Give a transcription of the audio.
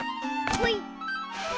ほい！